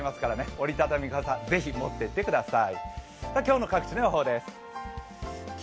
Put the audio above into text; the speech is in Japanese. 折り畳み傘、ぜひ持っていってください。